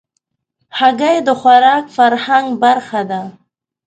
هګۍ د خوراک فرهنګ برخه ده.